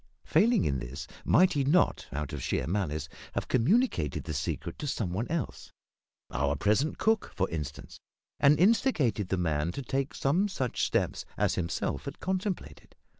Failing in this, might he not, out of sheer malice, have communicated the secret to some one else our present cook, for instance and instigated the man to take some such steps as himself had contemplated?